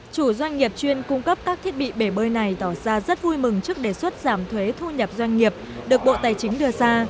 chủ doanh nghiệp chuyên cung cấp các thiết bị bể bơi này tỏ ra rất vui mừng trước đề xuất giảm thuế thu nhập doanh nghiệp được bộ tài chính đưa ra